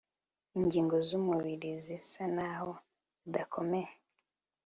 Ingingo z umubiri zisa naho zidakomeye